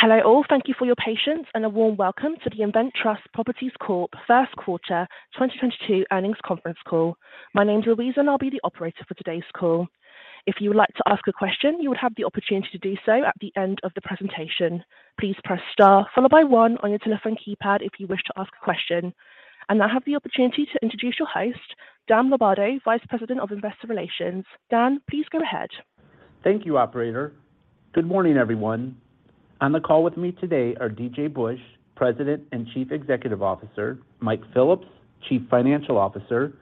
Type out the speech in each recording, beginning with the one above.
Hello all. Thank you for your patience and a warm welcome to the InvenTrust Properties Corp. first quarter 2022 earnings conference call. My name's Louisa, and I'll be the operator for today's call. If you would like to ask a question, you would have the opportunity to do so at the end of the presentation. Please press Star followed by One on your telephone keypad if you wish to ask a question. Now I have the opportunity to introduce your host, Dan Lombardo, Vice President of Investor Relations. Dan, please go ahead. Thank you, operator. Good morning, everyone. On the call with me today are DJ Busch, President and Chief Executive Officer, Mike Phillips, Chief Financial Officer,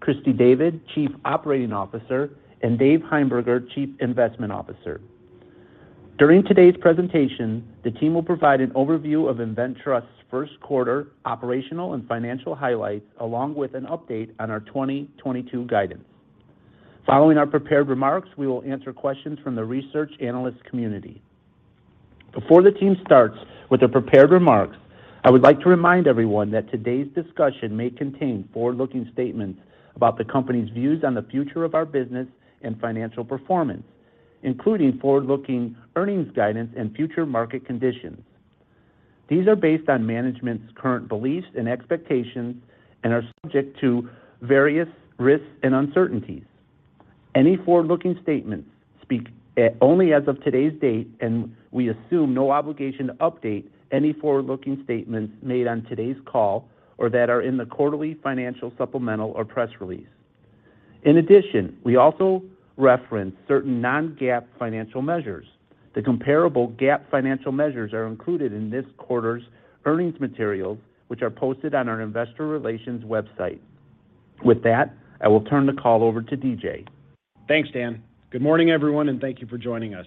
Christy David, Chief Operating Officer, and David Heimberger, Chief Investment Officer. During today's presentation, the team will provide an overview of InvenTrust first quarter operational and financial highlights, along with an update on our 2022 guidance. Following our prepared remarks, we will answer questions from the research analyst community. Before the team starts with their prepared remarks, I would like to remind everyone that today's discussion may contain forward-looking statements about the company's views on the future of our business and financial performance, including forward-looking earnings guidance and future market conditions. These are based on management's current beliefs and expectations and are subject to various risks and uncertainties. Any forward-looking statements speak only as of today's date, and we assume no obligation to update any forward-looking statements made on today's call or that are in the quarterly financial supplemental or press release. In addition, we also reference certain non-GAAP financial measures. The comparable GAAP financial measures are included in this quarter's earnings materials, which are posted on our investor relations website. With that, I will turn the call over to DJ. Thanks, Dan. Good morning, everyone, and thank you for joining us.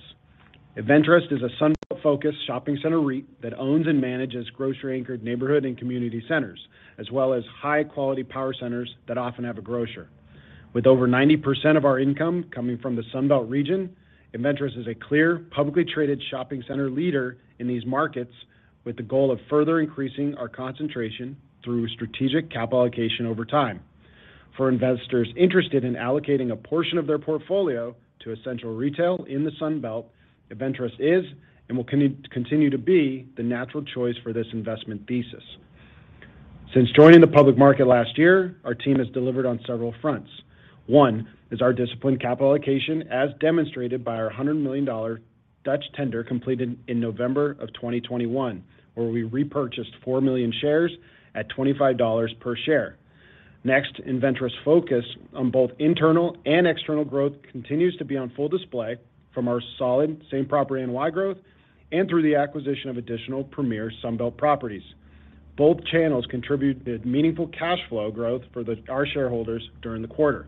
InvenTrust is a Sun Belt-focused shopping center REIT that owns and manages grocery-anchored neighborhood and community centers, as well as high-quality power centers that often have a grocer. With over 90% of our income coming from the Sun Belt region, InvenTrust is a clear, publicly traded shopping center leader in these markets, with the goal of further increasing our concentration through strategic capital allocation over time. For investors interested in allocating a portion of their portfolio to essential retail in the Sun Belt, InvenTrust is and will continue to be the natural choice for this investment thesis. Since joining the public market last year, our team has delivered on several fronts. One is our disciplined capital allocation, as demonstrated by our $100 million Dutch tender completed in November of 2021, where we repurchased 4 million shares at $25 per share. Next, InvenTrust focus on both internal and external growth continues to be on full display from our solid same property NOI growth and through the acquisition of additional premier Sun Belt properties. Both channels contributed meaningful cash flow growth for our shareholders during the quarter.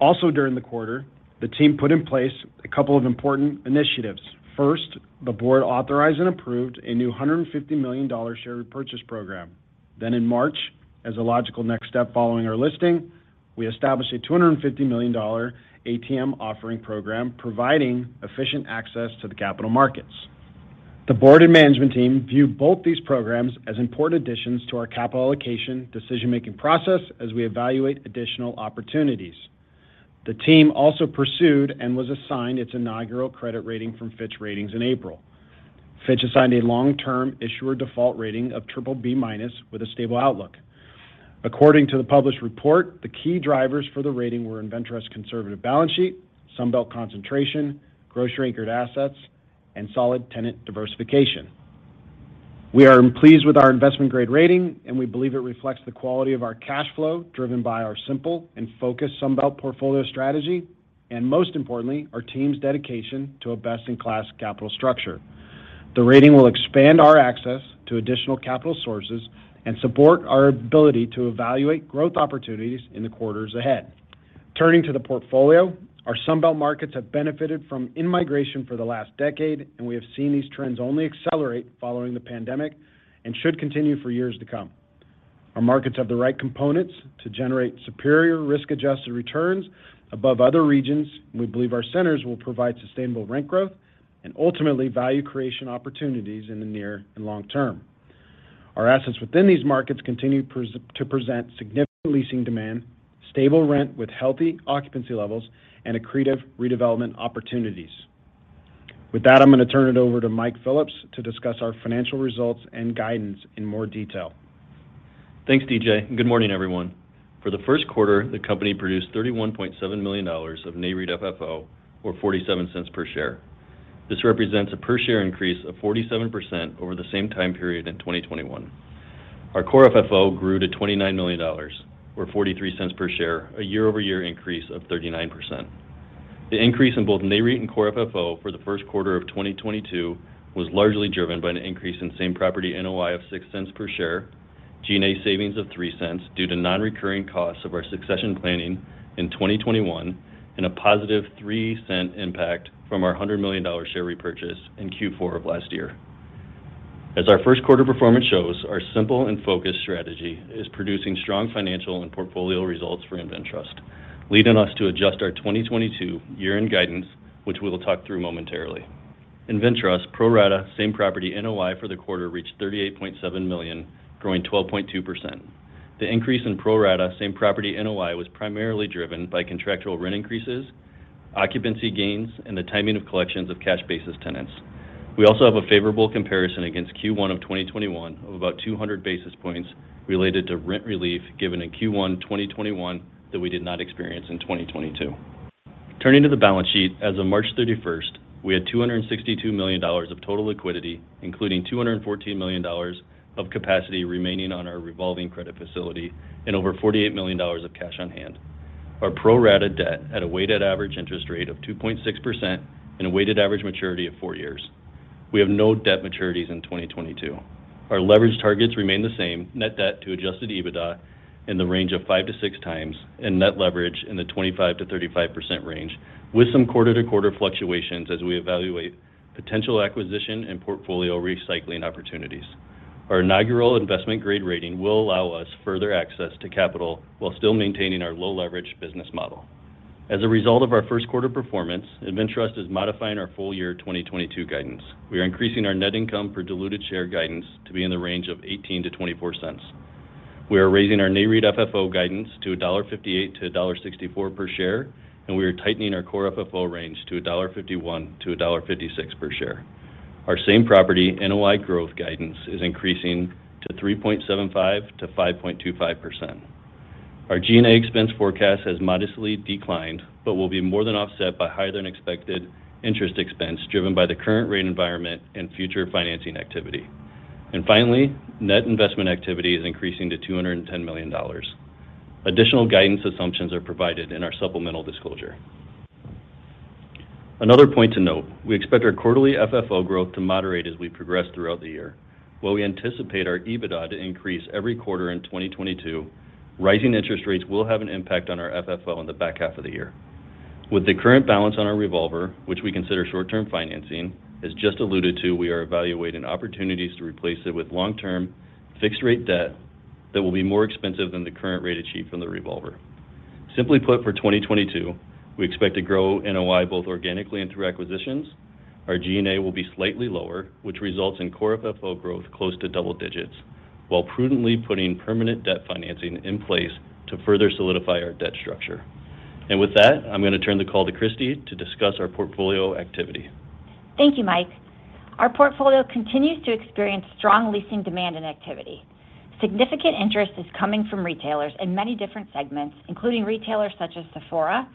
Also during the quarter, the team put in place a couple of important initiatives. First, the board authorized and approved a new $150 million share repurchase program. In March, as a logical next step following our listing, we established a $250 million ATM offering program, providing efficient access to the capital markets. The board and management team view both these programs as important additions to our capital allocation decision-making process as we evaluate additional opportunities. The team also pursued and was assigned its inaugural credit rating from Fitch Ratings in April. Fitch assigned a long-term issuer default rating of BBB- with a stable outlook. According to the published report, the key drivers for the rating were InvenTrust's conservative balance sheet, Sun Belt concentration, grocery-anchored assets, and solid tenant diversification. We are pleased with our investment-grade rating, and we believe it reflects the quality of our cash flow, driven by our simple and focused Sun Belt portfolio strategy, and most importantly, our team's dedication to a best-in-class capital structure. The rating will expand our access to additional capital sources and support our ability to evaluate growth opportunities in the quarters ahead. Turning to the portfolio, our Sun Belt markets have benefited from in-migration for the last decade, and we have seen these trends only accelerate following the pandemic and should continue for years to come. Our markets have the right components to generate superior risk-adjusted returns above other regions. We believe our centers will provide sustainable rent growth and ultimately value creation opportunities in the near and long term. Our assets within these markets continue to present significant leasing demand, stable rent with healthy occupancy levels, and accretive redevelopment opportunities. With that, I'm gonna turn it over to Mike Phillips to discuss our financial results and guidance in more detail. Thanks, DJ, and good morning, everyone. For the first quarter, the company produced $31.7 million of NAREIT FFO, or $0.47 per share. This represents a per share increase of 47% over the same time period in 2021. Our core FFO grew to $29 million, or $0.43 per share, a year-over-year increase of 39%. The increase in both NAREIT and core FFO for the first quarter of 2022 was largely driven by an increase in same-property NOI of $0.06 per share, G&A savings of $0.03 due to non-recurring costs of our succession planning in 2021, and a positive $0.03 impact from our $100 million share repurchase in Q4 of last year. As our first quarter performance shows, our simple and focused strategy is producing strong financial and portfolio results for InvenTrust, leading us to adjust our 2022 year-end guidance, which we will talk through momentarily. InvenTrust pro rata same property NOI for the quarter reached $38.7 million, growing 12.2%. The increase in pro rata same property NOI was primarily driven by contractual rent increases, occupancy gains, and the timing of collections of cash basis tenants. We also have a favorable comparison against Q1 of 2021 of about 200 basis points related to rent relief given in Q1 2021 that we did not experience in 2022. Turning to the balance sheet, as of March 31st, we had $262 million of total liquidity, including $214 million of capacity remaining on our revolving credit facility and over $48 million of cash on hand. Our pro rata debt had a weighted average interest rate of 2.6% and a weighted average maturity of 4 years. We have no debt maturities in 2022. Our leverage targets remain the same, net debt to adjusted EBITDA in the range of 5-6 times, and net leverage in the 25%-35% range, with some quarter-to-quarter fluctuations as we evaluate potential acquisition and portfolio recycling opportunities. Our inaugural investment grade rating will allow us further access to capital while still maintaining our low leverage business model. As a result of our first quarter performance, InvenTrust is modifying our full year 2022 guidance. We are increasing our net income per diluted share guidance to be in the range of $0.18-$0.24. We are raising our NAREIT FFO guidance to $1.58-$1.64 per share, and we are tightening our Core FFO range to $1.51-$1.56 per share. Our same property NOI growth guidance is increasing to 3.75%-5.25%. Our G&A expense forecast has modestly declined, but will be more than offset by higher than expected interest expense driven by the current rate environment and future financing activity. Finally, net investment activity is increasing to $210 million. Additional guidance assumptions are provided in our supplemental disclosure. Another point to note, we expect our quarterly FFO growth to moderate as we progress throughout the year. While we anticipate our EBITDA to increase every quarter in 2022, rising interest rates will have an impact on our FFO in the back half of the year. With the current balance on our revolver, which we consider short-term financing, as just alluded to, we are evaluating opportunities to replace it with long-term fixed rate debt that will be more expensive than the current rate achieved from the revolver. Simply put, for 2022, we expect to grow NOI both organically and through acquisitions. Our G&A will be slightly lower, which results in Core FFO growth close to double digits, while prudently putting permanent debt financing in place to further solidify our debt structure. With that, I'm going to turn the call to Christy to discuss our portfolio activity. Thank you, Mike. Our portfolio continues to experience strong leasing demand and activity. Significant interest is coming from retailers in many different segments, including retailers such as Sephora,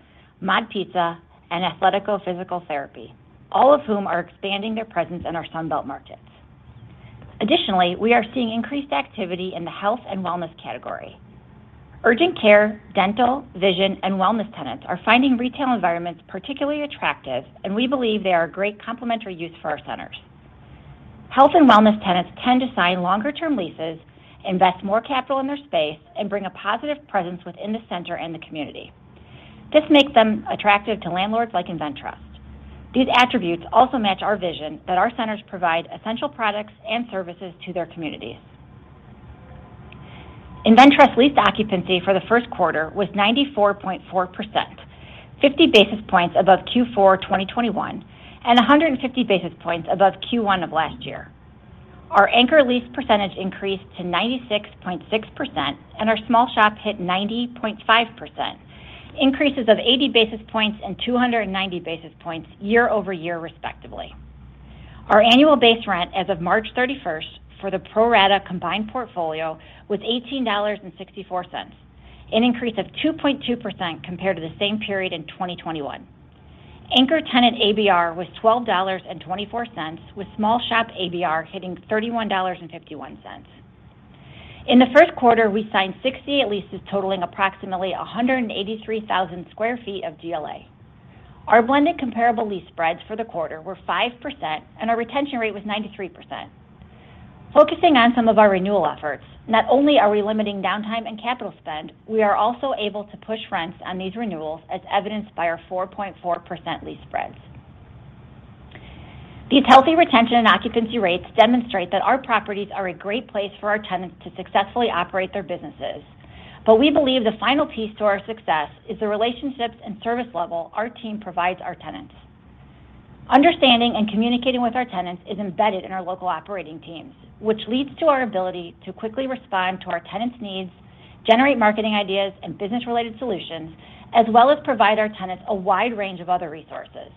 MOD Pizza, and Athletico Physical Therapy, all of whom are expanding their presence in our Sun Belt markets. Additionally, we are seeing increased activity in the health and wellness category. Urgent care, dental, vision, and wellness tenants are finding retail environments particularly attractive, and we believe they are a great complementary use for our centers. Health and wellness tenants tend to sign longer-term leases, invest more capital in their space, and bring a positive presence within the center and the community. This makes them attractive to landlords like InvenTrust. These attributes also match our vision that our centers provide essential products and services to their communities. InvenTrust leased occupancy for the first quarter was 94.4%, 50 basis points above Q4 2021, and 150 basis points above Q1 of last year. Our anchor lease percentage increased to 96.6%, and our small shop hit 90.5%, increases of 80 basis points and 290 basis points year-over-year, respectively. Our annual base rent as of March 31 for the pro rata combined portfolio was $18.64, an increase of 2.2% compared to the same period in 2021. Anchor tenant ABR was $12.24, with small shop ABR hitting $31.51. In the first quarter, we signed 60 leases totaling approximately 183,000 sq ft of GLA. Our blended comparable lease spreads for the quarter were 5%, and our retention rate was 93%. Focusing on some of our renewal efforts, not only are we limiting downtime and capital spend, we are also able to push rents on these renewals as evidenced by our 4.4% lease spreads. These healthy retention and occupancy rates demonstrate that our properties are a great place for our tenants to successfully operate their businesses. We believe the final piece to our success is the relationships and service level our team provides our tenants. Understanding and communicating with our tenants is embedded in our local operating teams, which leads to our ability to quickly respond to our tenants' needs, generate marketing ideas and business-related solutions, as well as provide our tenants a wide range of other resources.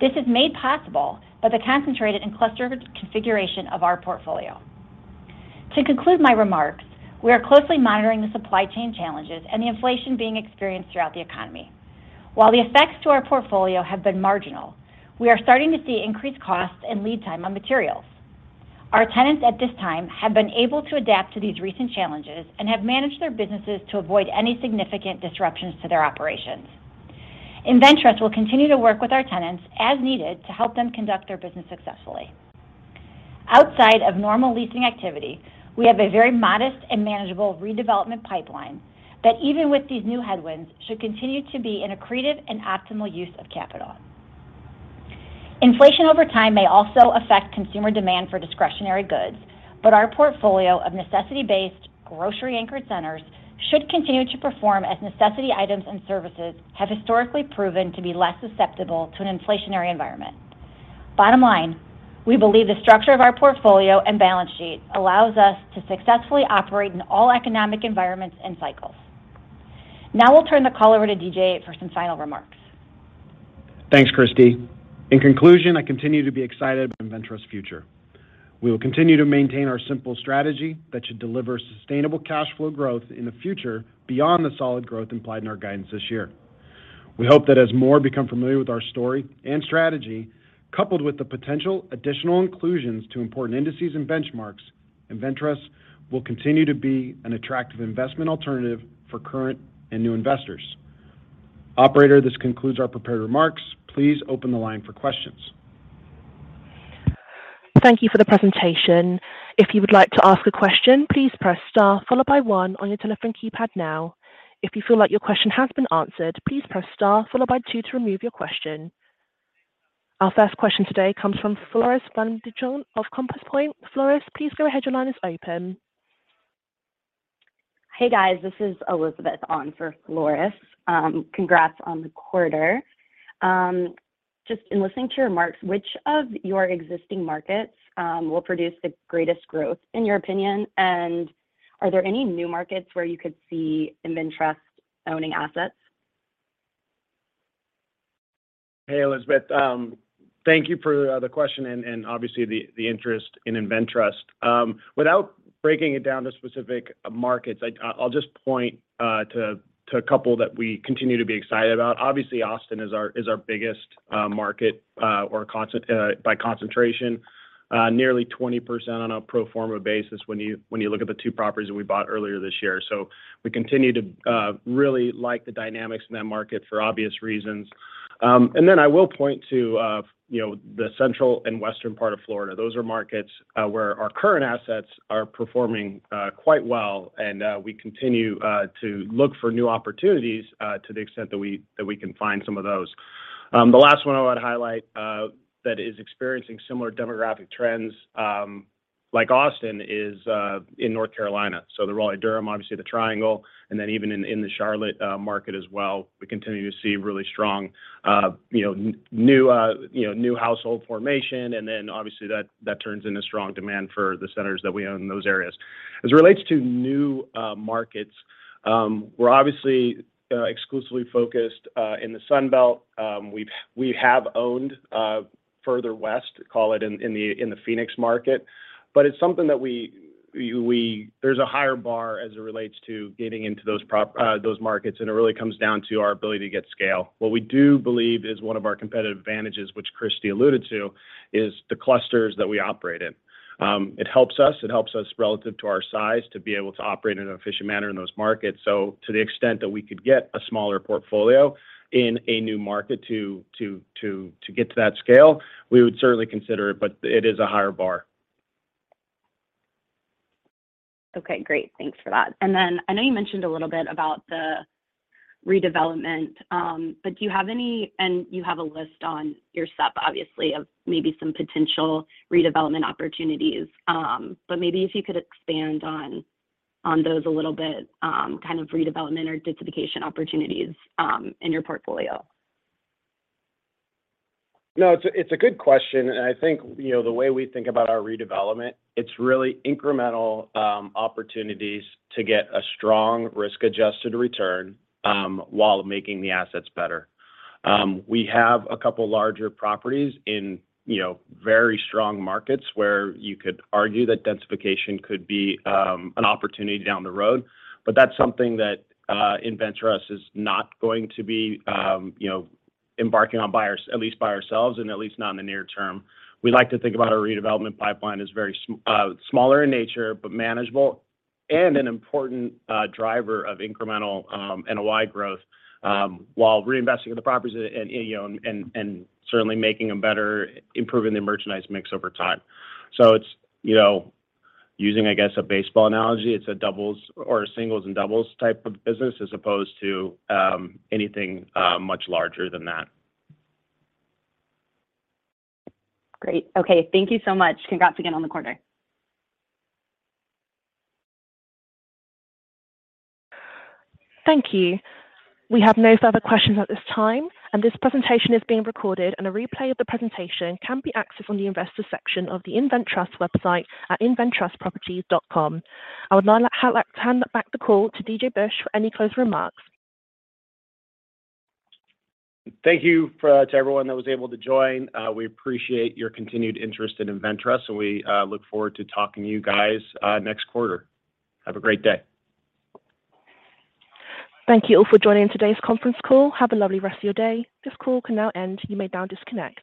This is made possible by the concentrated and clustered configuration of our portfolio. To conclude my remarks, we are closely monitoring the supply chain challenges and the inflation being experienced throughout the economy. While the effects to our portfolio have been marginal, we are starting to see increased costs and lead time on materials. Our tenants at this time have been able to adapt to these recent challenges and have managed their businesses to avoid any significant disruptions to their operations. InvenTrust will continue to work with our tenants as needed to help them conduct their business successfully. Outside of normal leasing activity, we have a very modest and manageable redevelopment pipeline that even with these new headwinds should continue to be an accretive and optimal use of capital. Inflation over time may also affect consumer demand for discretionary goods, but our portfolio of necessity-based grocery-anchored centers should continue to perform as necessity items and services have historically proven to be less susceptible to an inflationary environment. Bottom line, we believe the structure of our portfolio and balance sheet allows us to successfully operate in all economic environments and cycles. Now we'll turn the call over to DJ for some final remarks. Thanks, Christy. In conclusion, I continue to be excited about InvenTrust's future. We will continue to maintain our simple strategy that should deliver sustainable cash flow growth in the future beyond the solid growth implied in our guidance this year. We hope that as more become familiar with our story and strategy, coupled with the potential additional inclusions to important indices and benchmarks, InvenTrust will continue to be an attractive investment alternative for current and new investors. Operator, this concludes our prepared remarks. Please open the line for questions. Thank you for the presentation. If you would like to ask a question, please press star followed by one on your telephone keypad now. If you feel like your question has been answered, please press star followed by two to remove your question. Our first question today comes from Floris van Dijkum of Compass Point. Floris, please go ahead. Your line is open. Hey, guys, this is Elizabeth on for Floris. Congrats on the quarter. Just in listening to your remarks, which of your existing markets will produce the greatest growth in your opinion? Are there any new markets where you could see InvenTrust owning assets? Hey, Elizabeth. Thank you for the question and obviously the interest in InvenTrust. Without breaking it down to specific markets, I'll just point to a couple that we continue to be excited about. Obviously, Austin is our biggest market by concentration. Nearly 20% on a pro forma basis when you look at the two properties that we bought earlier this year. We continue to really like the dynamics in that market for obvious reasons. I will point to you know, the central and western part of Florida. Those are markets where our current assets are performing quite well, and we continue to look for new opportunities to the extent that we can find some of those. The last one I want to highlight that is experiencing similar demographic trends like Austin is in North Carolina. The Raleigh-Durham, obviously the Triangle, and then even in the Charlotte market as well. We continue to see really strong, you know, new household formation, and then obviously that turns into strong demand for the centers that we own in those areas. As it relates to new markets, we're obviously exclusively focused in the Sun Belt. We have owned further west, call it in the Phoenix market. It's something that we. There's a higher bar as it relates to getting into those markets, and it really comes down to our ability to get scale. What we do believe is one of our competitive advantages, which Christy alluded to, is the clusters that we operate in. It helps us relative to our size to be able to operate in an efficient manner in those markets. To the extent that we could get a smaller portfolio in a new market to get to that scale, we would certainly consider it, but it is a higher bar. Okay, great. Thanks for that. I know you mentioned a little bit about the redevelopment, but you have a list on your supp, obviously, of maybe some potential redevelopment opportunities. Maybe if you could expand on those a little bit, kind of redevelopment or densification opportunities, in your portfolio. No, it's a good question, and I think, you know, the way we think about our redevelopment, it's really incremental opportunities to get a strong risk-adjusted return while making the assets better. We have a couple larger properties in, you know, very strong markets where you could argue that densification could be an opportunity down the road. That's something that InvenTrust is not going to be, you know, embarking on, at least by ourselves, and at least not in the near term. We like to think about our redevelopment pipeline as very small in nature, but manageable and an important driver of incremental NOI growth while reinvesting in the properties and, you know, certainly making them better, improving the merchandise mix over time. It's, you know, using I guess a baseball analogy, it's a doubles or a singles and doubles type of business as opposed to anything much larger than that. Great. Okay. Thank you so much. Congrats again on the quarter. Thank you. We have no further questions at this time, and this presentation is being recorded, and a replay of the presentation can be accessed on the investors section of the InvenTrust website at inventrustproperties.com. I would now like to hand back the call to DJ Busch for any closing remarks. Thank you to everyone that was able to join. We appreciate your continued interest in InvenTrust, and we look forward to talking to you guys next quarter. Have a great day. Thank you all for joining today's conference call. Have a lovely rest of your day. This call can now end. You may now disconnect.